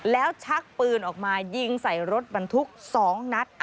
แล้วชักปืนออกมายิงใส่รถบรรทุก๒นัด